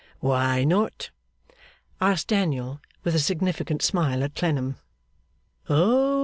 'Why not?' asked Daniel, with a significant smile at Clennam. 'Oh!